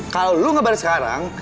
kalau lo gak bayar sekarang